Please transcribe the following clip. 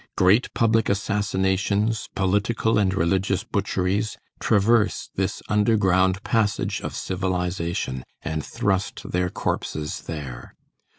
Great public assassinations, political and religious butcheries, traverse this underground passage of civilization, and thrust their corpses there.